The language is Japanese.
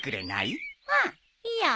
うんいいよ。